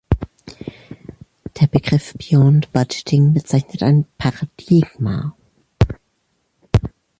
Der Begriff Beyond Budgeting bezeichnet ein "Paradigma".